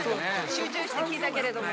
集中して聞いたけれども。